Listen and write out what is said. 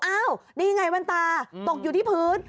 อ้าวนี่ไงแว่นตาตกอยู่ที่พื้น